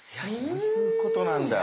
そういうことなんだ。